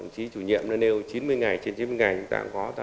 chỉ chủ nhiệm là nêu chín mươi ngày trên chín mươi ngày chúng ta có tác động